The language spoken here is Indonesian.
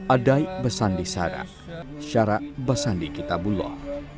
adai besandi sara syara besandi kitabuloh